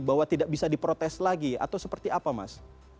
bahwa tidak bisa diprotes lagi atau seperti apa mas